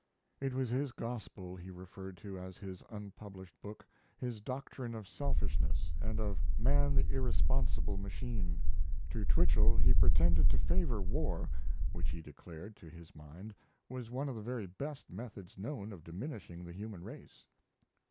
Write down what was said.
It was his Gospel he referred to as his unpublished book, his doctrine of Selfishness, and of Man the irresponsible Machine. To Twichell he pretended to favor war, which he declared, to his mind, was one of the very best methods known of diminishing the human race.